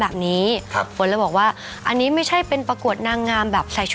แบบนี้ครับฝนเลยบอกว่าอันนี้ไม่ใช่เป็นประกวดนางงามแบบใส่ชุด